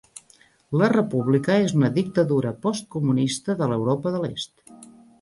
La república és una dictadura postcomunista de l'Europa de l'Est.